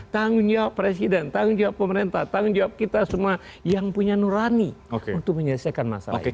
tanggung jawab presiden tanggung jawab pemerintah tanggung jawab kita semua yang punya nurani untuk menyelesaikan masalah ini